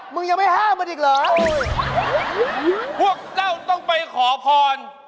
ยังไม่ห้ามมันอีกเหรอพวกเจ้าต้องไปขอพร